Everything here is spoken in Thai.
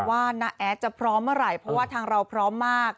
น้าแอดจะพร้อมเมื่อไหร่เพราะว่าทางเราพร้อมมาก